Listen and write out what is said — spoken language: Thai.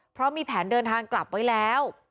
เพราะมีแผนเดินทางกลับไว้แล้ว